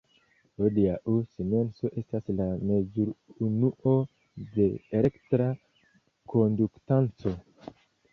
Hodiaŭ simenso estas la mezur-unuo de elektra konduktanco.